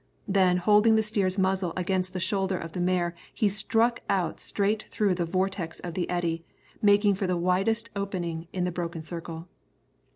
Then, holding the steer's muzzle against the shoulder of the mare, he struck out straight through the vortex of the eddy, making for the widest opening in the broken circle.